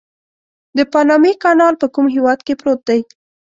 د پانامي کانال په کوم هېواد کې پروت دی؟